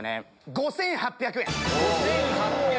５８００円！